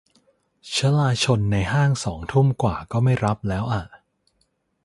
ชลาชลในห้างสองทุ่มกว่าก็ไม่รับแล้วอะ